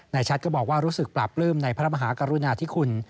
ชัดก็บอกว่ารู้สึกปราบปลื้มในพระมหากรุณาธิคุณ